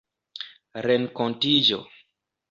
renkontiĝo